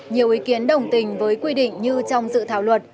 nhiều ý kiến đồng tình với quy định như trong dự thảo luật